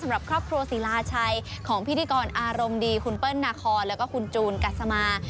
สำหรับครอบครัวศิลาชัยของพิธีกรอารมณ์ดีคุณเปิ้ลนาคอนแล้วก็คุณจูนกัสมา